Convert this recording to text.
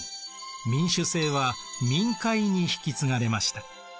民主政は民会に引き継がれました。